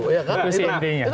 itu sih intinya